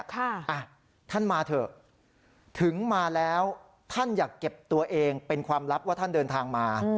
ค่ะอ่ะท่านมาเถอะถึงมาแล้วท่านอยากเก็บตัวเองเป็นความลับว่าท่านเดินทางมา